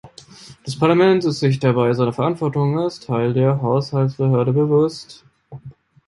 Das Parlament ist sich dabei seiner Verantwortung als Teil der Haushaltsbehörde bewusst.